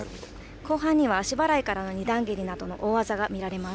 後半には足払いからの２段蹴りなどの大技が見られます。